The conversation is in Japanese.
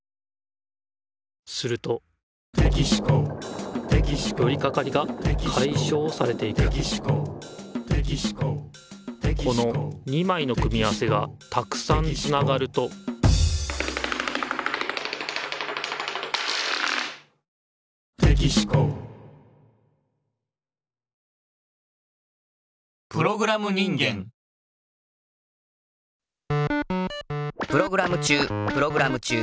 するとよりかかりがかいしょうされていくこの２まいの組み合わせがたくさんつながるとプログラム中プログラム中。